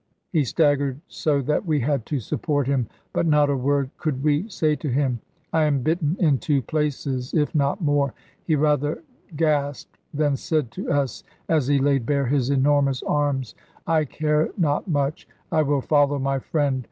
He staggered so that we had to support him; but not a word could we say to him. "I am bitten in two places, if not more," he rather gasped than said to us, as he laid bare his enormous arms. "I care not much. I will follow my friend.